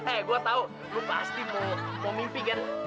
eh gue tau gue pasti mau mimpi kan